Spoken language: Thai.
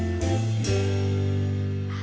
ขอบคุณครับ